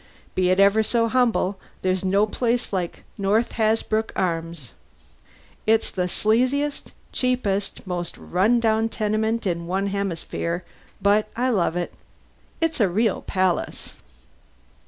"Be it ever so humble, there's no place like North Hasbrouck Arms. It's the sleaziest, cheapest, most run down tenement in one hemisphere, but I love it. It's a real palace."